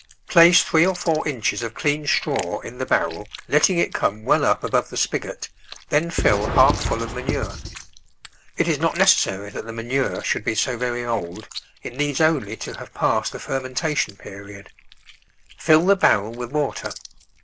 Place three or four inches of clean straw in the barrel, letting it come well up above the spigot, then fill half full of manure. It is not necessary that the manure should be so very old; it needs only to have passed the fer mentation period. Fill the barrel with water.